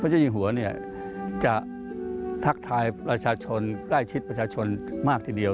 เจ้าอยู่หัวเนี่ยจะทักทายประชาชนใกล้ชิดประชาชนมากทีเดียว